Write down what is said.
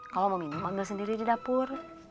kalau mau minum ambil sendiri di dapur